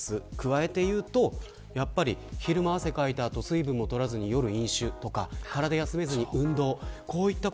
加えて言うと昼間に汗をかいた後水分も取らずに、夜に飲酒とか体を休めずに運動。